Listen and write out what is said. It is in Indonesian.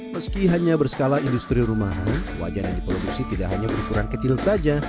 meski hanya berskala industri rumahan wajan yang diproduksi tidak hanya berukuran kecil saja